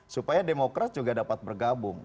supaya demokrat juga dapat bergabung